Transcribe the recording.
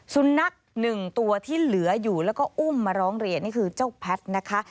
สุนัขหนึ่งตัวที่เหลืออยู่แล้วก็อุ้มมาร้องเรียนนี่คือเจ้าแพทย์นะคะ